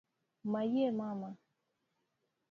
Mayie Mama!